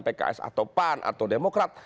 pks atau pan atau demokrat